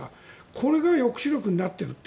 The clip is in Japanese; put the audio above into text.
これが抑止力になっていると。